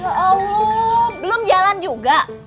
ya allah belum jalan juga